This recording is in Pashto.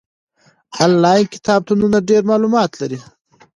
آنلاین کتابتونونه ډېر معلومات لري.